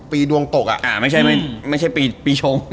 ปีดวงตกอะอ่าไม่ใช่ไม่ไม่ใช่ปีชมไม่ใช่